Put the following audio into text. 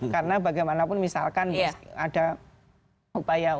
karena bagaimanapun misalkan ada upaya untuk memperkuat sistem politik